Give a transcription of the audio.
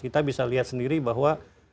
kita bisa lihat sendiri bahwa